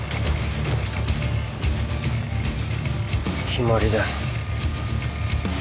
決まりだ。